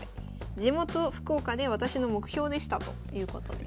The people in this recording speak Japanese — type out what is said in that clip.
地元福岡で私の目標でしたということです。